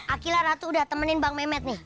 aqilah ratu udah temenin bang mehmet nih